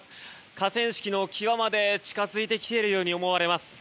河川敷の際まで近づいてきているように思われます。